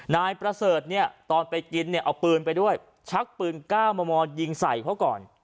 นายประเสริฐเนี่ยตอนไปกินเนี่ยเอาปืนไปด้วยชักปืน๙มมยิงใส่เขาก่อน